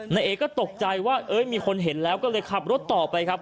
นายเอก็ตกใจว่ามีคนเห็นแล้วก็เลยขับรถต่อไปครับ